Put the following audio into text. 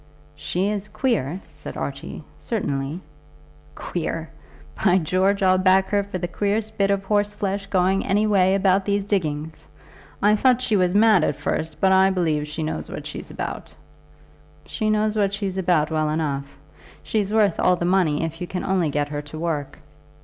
"She is queer," said Archie, "certainly." "Queer! By George, I'll back her for the queerest bit of horseflesh going any way about these diggings. I thought she was mad at first, but I believe she knows what she's about." "She knows what she's about well enough. She's worth all the money if you can only get her to work."